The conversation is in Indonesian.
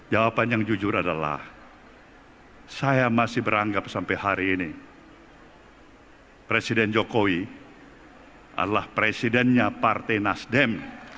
jawaban yang jujur adalah saya masih beranggap sampai hari ini presiden jokowi adalah presidennya partai nasdem